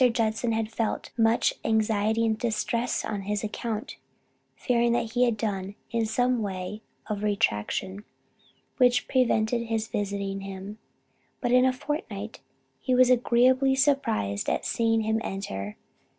Judson had felt much anxiety and distress on his account, fearing he had done something in the way of retraction, which prevented his visiting him. But in a fortnight he was agreeably surprised at seeing him enter.